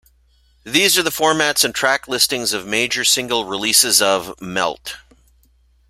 These are the formats and track listings of major single releases of "Melt".